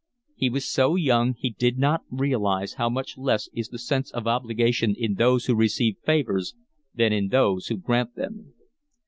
He was so young, he did not realise how much less is the sense of obligation in those who receive favours than in those who grant them.